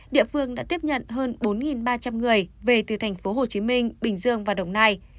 địa phương đã tiếp nhận hơn bốn ba trăm linh người về từ thành phố hồ chí minh bình dương và đồng nai